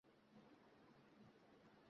সাক্ষ্য না দিলে কৃষ্ণা কুমার আমাকে মেরে ফেলবে।